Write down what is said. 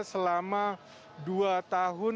selama dua tahun